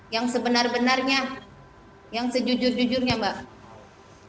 yang sebenar benarnya yang sejujur jujurnya mbak